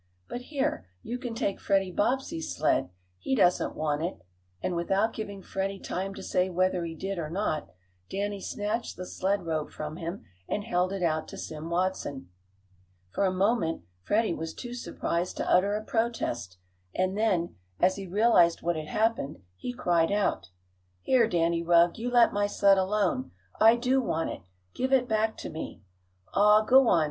But here, you can take Freddie Bobbsey's sled. He doesn't want it," and without giving Freddie time to say whether he did or not Danny snatched the sled rope from him and held it out to Sim Watson. For a moment Freddie was too surprised to utter a protest and then, as he realized what had happened, he cried out: "Here, Danny Rugg, you let my sled alone! I do want it! Give it back to me!" "Aw, go on!"